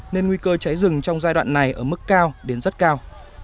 nên nguy cơ cháy rừng trong giai đoạn này ở mức cao đến rất cao